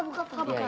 buka pak buka